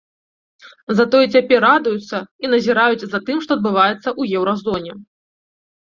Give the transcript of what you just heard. Затое цяпер радуюцца, і назіраюць за тым, што адбываецца ў еўразоне.